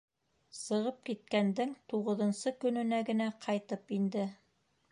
Сығып киткәндең туғыҙынсы көнөнә генә ҡайтып инде